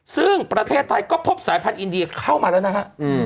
ซึ่งประเทศไทยก็พบสายพันธ์อินเดียเข้ามาแล้วนะฮะ